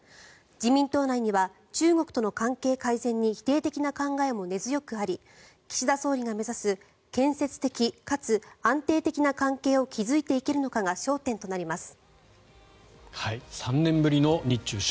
自民党内には中国との関係改善に否定的な考えも根強くあり岸田総理が目指す建設的かつ安定的な関係を築いていけるのかが焦点となります。